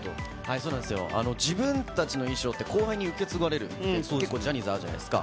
自分たちの衣装って、後輩に受け継がれる、結構、ジャニーズ、あるじゃないですか。